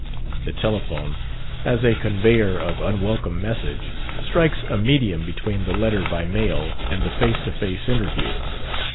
The telephone, as a conveyor of unwelcome message, strikes a medium between the letter by mail and the face to face interview.